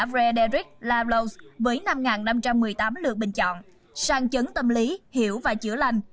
frederick lavleuse với năm năm trăm một mươi tám lượt bình chọn sàng chấn tâm lý hiểu và chữa lành